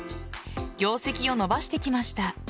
業績を伸ばしてきました。